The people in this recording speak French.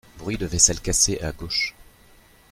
Bruit de vaisselle cassée à gauche.